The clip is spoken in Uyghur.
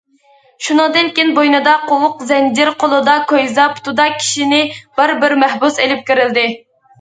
شۇنىڭدىن كېيىن بوينىدا قوۋۇق، زەنجىر، قولىدا كويزا، پۇتىدا كىشىنى بار بىر مەھبۇس ئېلىپ كىرىلدى.